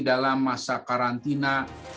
dalam masa karantina